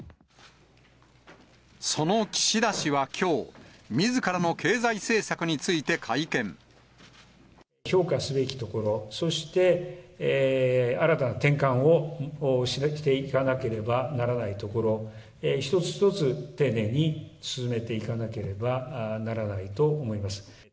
その岸田氏はきょう、みずからの評価すべきところ、そして、新たな転換をしていかなければならないところ、一つ一つ丁寧に進めていかなければならないと思います。